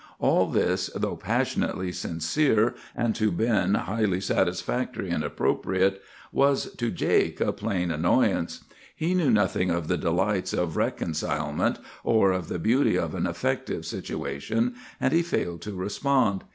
"All this, though passionately sincere, and to Ben highly satisfactory and appropriate, was to Jake a plain annoyance. He knew nothing of the delights of reconcilement, or of the beauty of an effective situation, and he failed to respond.